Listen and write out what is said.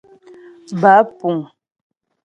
Báp puŋ.